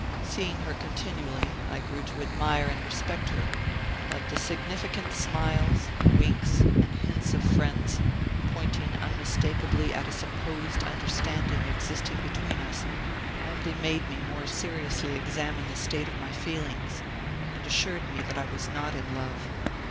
Seeing her continually, I grew to admire and respect her; but the significant smiles, winks, and hints of friends, pointing unmistakably at a supposed understanding existing between us, only made me more seriously examine the state of my feelings, and assured me that I was not in love.